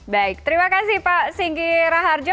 baik terima kasih pak singgi raharjo